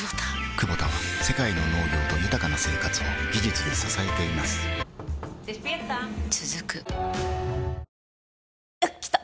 クボタは世界の農業と豊かな生活を技術で支えています起きて。